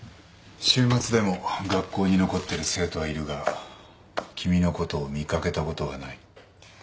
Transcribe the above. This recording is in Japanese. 週末でも学校に残ってる生徒はいるが君のことを見かけたことはない。